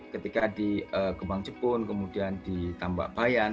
ketika di kembang jepun kemudian di tambak bayan